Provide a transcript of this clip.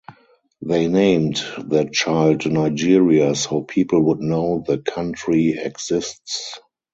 They named their child Nigeria so people would know the country exists.